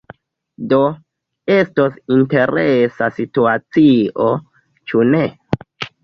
Do, estos interesa situacio, ĉu ne?